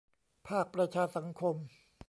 ภาคประชาสังคม